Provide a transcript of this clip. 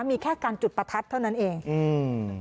มีแค่การจุดประทัดเท่านั้นเองอืม